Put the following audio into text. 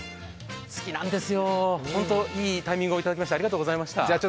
好きなんですよ、いいタイミングをいただき、ありがとうございました。